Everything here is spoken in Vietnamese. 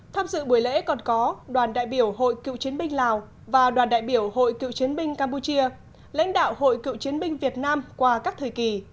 tham dự buổi lễ còn có đoàn đại biểu hội cựu chiến binh lào và đoàn đại biểu hội cựu chiến binh campuchia lãnh đạo hội cựu chiến binh việt nam qua các thời kỳ